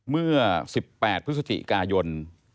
เมื่อ๑๘พฤศจิกายน